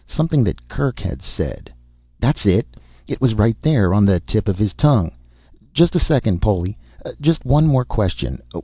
Something that Kerk had said ... "That's it!" It was right there on the tip of his tongue. "Just a second, Poli, just one more question.